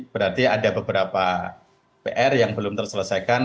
berarti ada beberapa pr yang belum terselesaikan